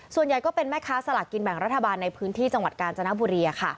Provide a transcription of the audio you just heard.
ส่วนใหญ่ก็เป็นแม่ค้าสลากกินแบ่งรัฐบาลในพื้นที่จังหวัดกาญจนบุรี